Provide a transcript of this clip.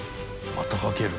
またかける？